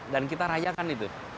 dan kita rayakan itu